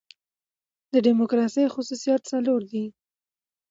د ډیموکراسۍ خصوصیات څلور دي.